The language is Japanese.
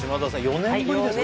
４年ぶりですか？